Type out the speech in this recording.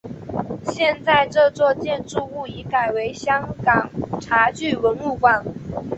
现在这座建筑物已改为香港茶具文物馆。